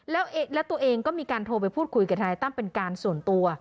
แล้วตัวเองก็มีการโทรไปพูดคุยกับทนายตั้มเป็นการส่วนตัว